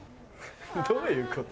どういうこと？